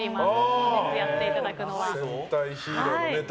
本日やっていただくのは。